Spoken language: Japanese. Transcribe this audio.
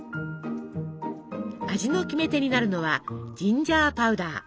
味のキメテになるのはジンジャーパウダー。